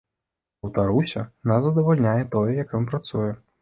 Паўтаруся, нас задавальняе тое, як ён працуе.